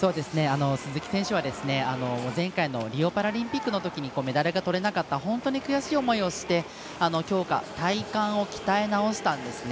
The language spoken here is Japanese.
鈴木選手は前回のリオパラリンピックのときメダルがとれなかった本当に悔しい思いをして強化、体幹を鍛え直したんですね。